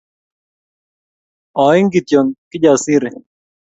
Oin kityoKijasiri